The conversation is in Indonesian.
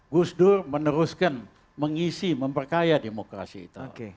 gus dur meneruskan mengisi memperkaya demokrasi itu